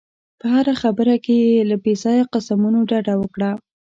په هره خبره کې له بې ځایه قسمونو ډډه وکړه.